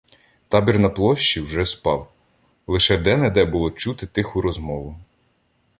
Табір на площі вже спав, лише де-не-де було чути тиху розмову.